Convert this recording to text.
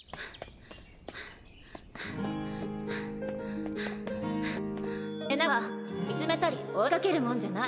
ひな：背中は見つめたり追いかけるもんじゃない。